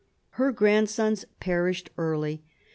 Her grandsons perished early.